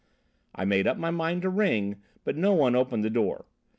"'I made up my mind to ring, but no one opened the door.